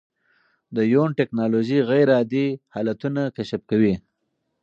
د یون ټېکنالوژي غیرعادي حالتونه کشف کوي.